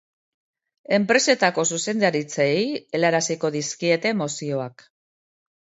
Enpresetako zuzendaritzei helaraziko dizkiete mozioak.